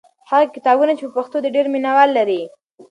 هغه کتابونه چې په پښتو دي ډېر مینه وال لري.